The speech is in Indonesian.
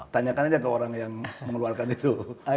tanyakan aja ke orang yang mengeluarkan itu